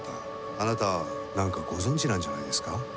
あなた、なんかご存じなんじゃないですか？